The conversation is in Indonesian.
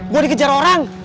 gue dikejar orang